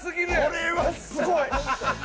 これはすごい！